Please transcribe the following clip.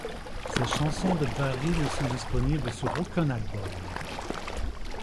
Ces chansons de Barry ne sont disponibles sur aucun album.